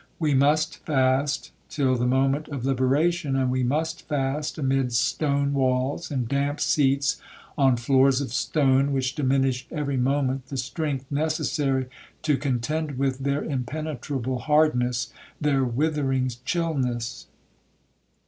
We must fast till the moment of liberation, and we must fast amid stone walls, and damp seats on floors of stone, which diminished every moment the strength necessary to contend with their impenetrable hardness,—their withering chillness.